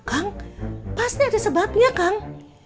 kang pasti ada sebabnya kang